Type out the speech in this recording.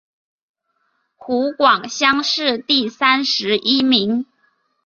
湖广乡试第三十一名。